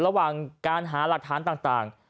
ระหว่างการหาหลักฐานต่าง